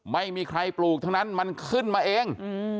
ไม่มีใครปลูกทั้งนั้นมันขึ้นมาเอง